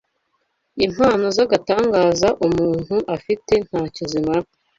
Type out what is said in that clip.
impano z’agatangaza umuntu afite ntacyo zimara